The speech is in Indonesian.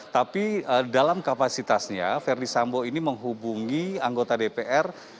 tapi dalam kapasitasnya verdi sambo ini menghubungi anggota dpr